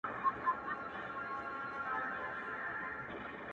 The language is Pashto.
ویل وایه د عمرونو جادوګره!!